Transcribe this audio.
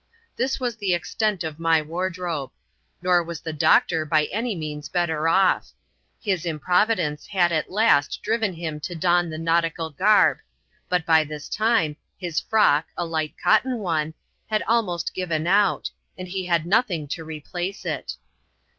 This was the extent of my wardrobe. Nor was the doctor by any means better off. His improvidence had at last driven him to don the nautical garb ; but, by this time, his frock — a light cotton one — had almost given out, and he had nothing to ^ replace it.